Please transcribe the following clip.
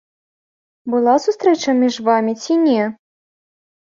Была сустрэча між вамі ці не?